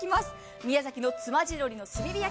宮崎の妻地鶏の炭火焼き。